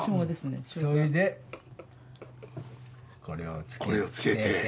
これをつけて。